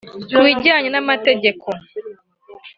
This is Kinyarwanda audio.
Ku bijyanye n’amategeko